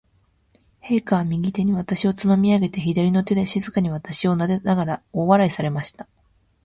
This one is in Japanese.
陛下は、右手に私をつまみ上げて、左の手で静かに私をなでながら、大笑いされました。